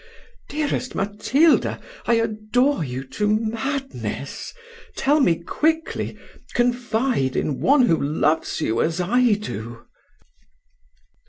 Dearest Matilda, I adore you to madness: tell me then quickly confide in one who loves you as I do."